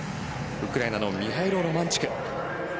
ウクライナのミハイロ・ロマンチュク。